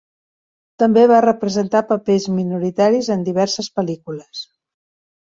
També va representar papers minoritaris en diverses pel·lícules.